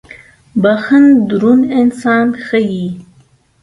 • بخښن دروند انسان ښيي.